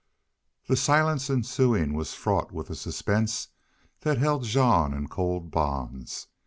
The silence ensuing was fraught with a suspense that held Jean in cold bonds.